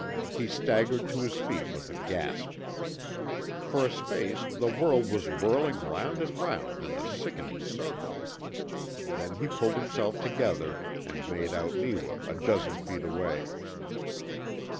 He staggered to his feet with a gasp. For a space the world was whirling round and round in a sickening circle. Then he pulled himself together, and made out Neewa a dozen feet away.